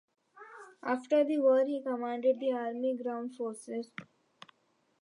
After the war he commanded the Army Ground Forces.